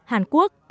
eu hàn quốc